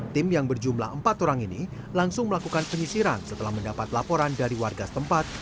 tim yang berjumlah empat orang ini langsung melakukan penyisiran setelah mendapat laporan dari warga setempat